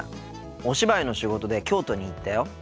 お芝居の仕事で京都に行ったよ。